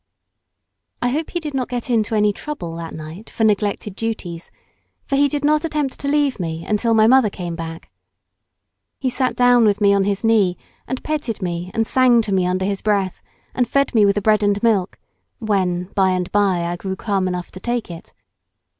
I hope he did not get into any trouble that night for neglected duties, for he did not attempt to leave me till my mother came bade. He sat down with me on his knee and petted me and sang to me under his breath, and fed me with the bread and milk, when by and by I grew calm enough to take it.